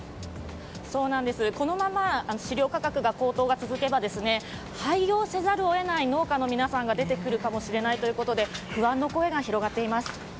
このまま飼料価格の高騰が続けば廃業せざるを得ない農家の皆さんが、出てくるということで不安の声が広がっています。